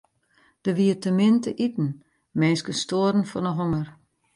Der wie te min te iten, minsken stoaren fan 'e honger.